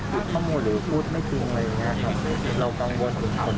แต่ว่าบอกข้อมูลหรือพูดไม่จริงอะไรอย่างเงี้ยครับ